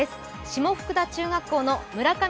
下福田中学校の村上莉